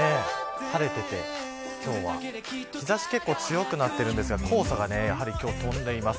晴れていて、今日は日差しが強くなっているんですが黄砂が、やはり飛んでいます。